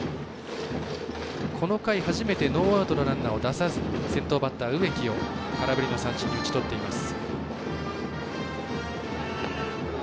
この回初めてノーアウトのランナーを出さずに、先頭バッター植木を空振りの三振に打ち取っています。